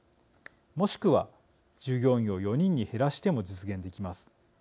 もしくは従業員を４人に減らしても実現できます。